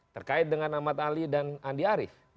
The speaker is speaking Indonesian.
terkait dengan ahmad ali dan andi arief